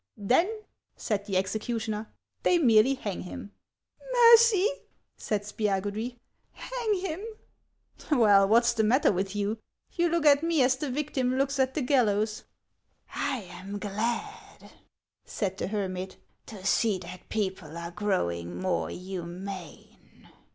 " Then," said the executioner, " they merely hang him." " Mercy '" said Spiagudry ;" hang him !"" Well, what 's the matter with you ? You look at me as the victim looks at the gallows." " I am glad," said the hermit, " to see that people are growing more humane."